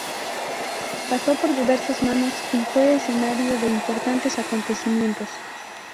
Pasó por diversas manos y fue escenario de importantes acontecimientos.